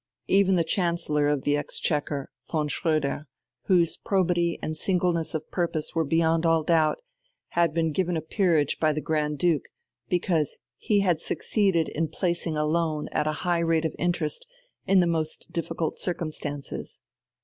Even the Chancellor of the Exchequer, von Schröder, whose probity and singleness of purpose were beyond all doubt, had been given a peerage by the Grand Duke, because he had succeeded in placing a loan at a high rate of interest in the most difficult circumstances.